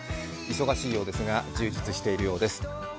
忙しいようですが、充実しているようです。